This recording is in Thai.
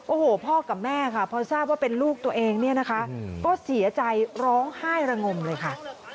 โอ้โหพ่อกับแม่ค่ะพอทราบว่าเป็นลูกตัวเองเนี่ยนะคะก็เสียใจร้องไห้ระงมเลยค่ะ